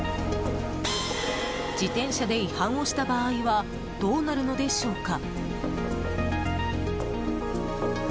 自転車で違反をした場合はどうなるのでしょうか。